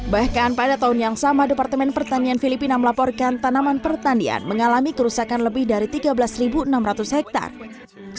bahkan pada tahun yang sama departemen pertanian filipina melaporkan tanaman pertanian mengalami kerusakan lebih dari tiga belas enam ratus hektare